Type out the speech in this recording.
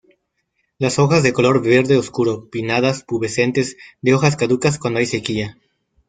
Las hojas de color verde oscuro, pinnadas, pubescentes, de hojas caducas cuando hay sequía.